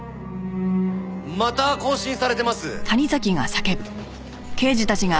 また更新されてます。